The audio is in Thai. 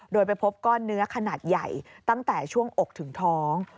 โดยไปพบก้อนเนื้อขนาดใหญ่ตั้งแต่ช่วงอกถึงท้อง